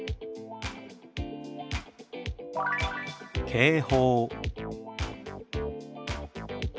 「警報」。